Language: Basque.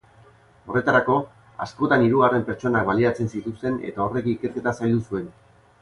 Horretarako, askotan hirugarren pertsonak baliatzen zituzten eta horrek ikerketa zaildu zuen.